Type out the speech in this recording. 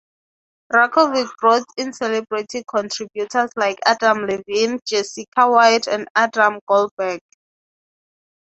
Rakovic brought in celebrity contributors like Adam Levine, Jessica White and Adam Goldberg.